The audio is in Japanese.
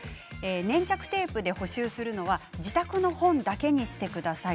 粘着テープで補修するのは自宅の本だけにしてください。